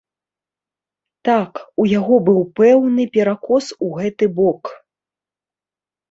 Так, у яго быў пэўны перакос у гэты бок.